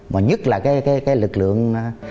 mà nhất là cái lực lượng